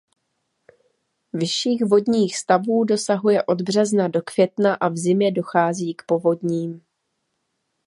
Vyšších vodních stavů dosahuje od března do května a v zimě dochází k povodním.